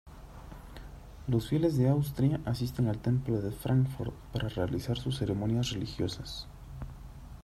Los fieles de Austria asisten al Templo de Fráncfort para realizar sus ceremonias religiosas.